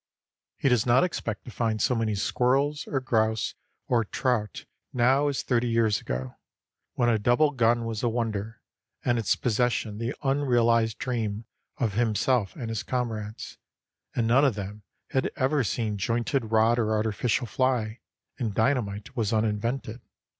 He does not expect to find so many squirrels or grouse or trout now as thirty years ago, when a double gun was a wonder, and its possession the unrealized dream of himself and his comrades, and none of them had ever seen jointed rod or artificial fly, and dynamite was uninvented.